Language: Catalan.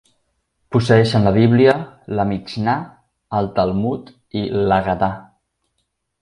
Posseeixen la Bíblia, la Mixnà, el Talmud, i l'Hagadà.